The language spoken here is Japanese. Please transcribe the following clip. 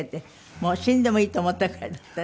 もう死んでもいいと思ったくらいだって？